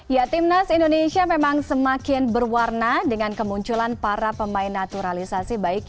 ya timnas indonesia memang semakin berwarna dengan kemunculan para pemain naturalisasi